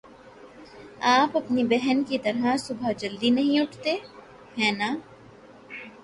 آپ اپنی بہن کی طرح صبح جلدی نہیں اٹھتے، ہے نا؟